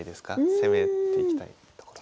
攻めていきたいところ。